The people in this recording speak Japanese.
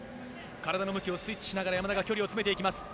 体の向きをスイッチしながら山田が詰めていきます。